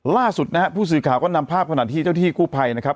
ล่าสุดนะฮะผู้สื่อข่าวก็นำภาพขณะที่เจ้าที่กู้ภัยนะครับ